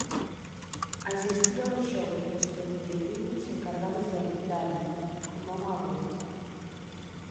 Asistía ós xogos dos pegureiriños encargados de alindala, coma unha avoa.